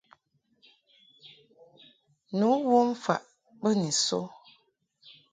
Ni wom faʼ be ni so.